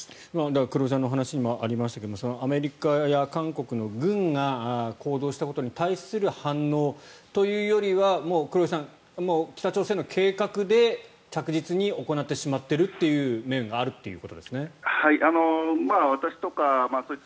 だから黒井さんのお話にもありましたがアメリカや韓国の軍が行動したことに対する反応というよりは黒井さん、北朝鮮の計画で着実に行ってしまっているという面があるということですね。